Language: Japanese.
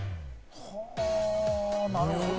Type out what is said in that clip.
はぁ、なるほど！